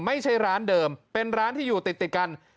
ไม่ใช่ร้านเดิมเป็นร้านที่อยู่ติดกัน